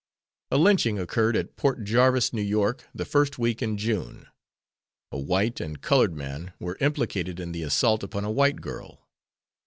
A lynching occurred at Port Jarvis, N.Y., the first week in June. A white and colored man were implicated in the assault upon a white girl.